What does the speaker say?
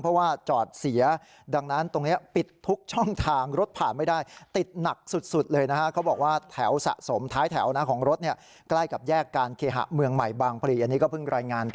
เพราะว่าจอดเสียดังนั้นตรงนี้ปิดทุกช่องทาง